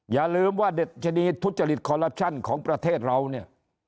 อย่าลืมว่าเด็ดชนีททุจภิษฐ์ของประเทศเราเนี่ย